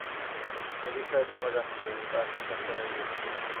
যে বিষয়ে তোমরা জানতে চেয়েছ তার সিদ্ধান্ত হয়ে গিয়েছে!